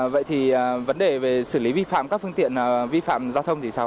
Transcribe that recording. vậy thì vấn đề về xử lý vi phạm các phương tiện vi phạm giao thông thì sao